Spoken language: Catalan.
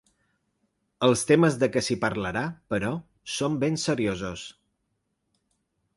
Els temes de què s’hi parlarà, però, són ben seriosos.